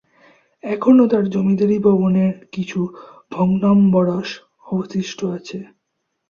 এখনও তার জমিদারী ভবনের কিছু ভগ্নম্বরশ অবশিষ্ট আছে।